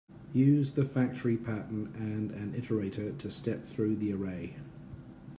Use the factory pattern and an iterator to step through the array.